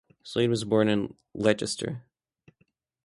Slade was born in Leicester.